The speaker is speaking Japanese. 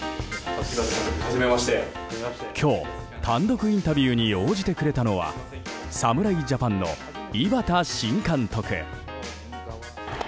今日、単独インタビューに応じてくれたのは侍ジャパンの井端新監督。